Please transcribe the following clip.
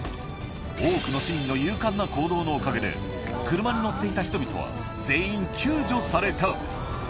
多くの市民の勇敢な行動のおかげで、車に乗っていた人々は全員救助された。